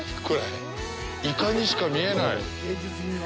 イカにしか見えない！